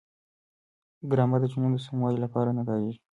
ګرامر د جملو د سموالي لپاره نه کاریږي.